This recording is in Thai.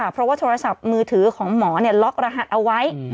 เพราะว่าโทรศัพท์มือถือของหมอล็อกรหัสเอาไว้